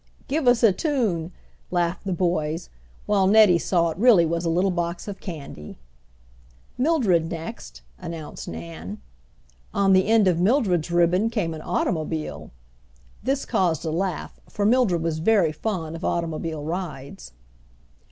"Give us a tune!" laughed the boys, while Nettie saw it really was a little box of candy. "Mildred next," announced Nan. On the end of Mildred's ribbon came an automobile! This caused a laugh, for Mildred was very fond of automobile rides.